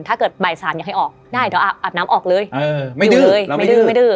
ถ้าเกิดบ่ายสารอยากให้ออกได้อาบน้ำออกเลยอยู่เลยไม่ดื้อ